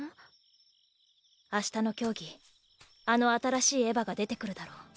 明日の競技あの新しいエヴァが出てくるだろう。